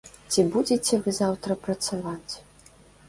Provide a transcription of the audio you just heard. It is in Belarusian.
Ці будзеце вы заўтра працаваць?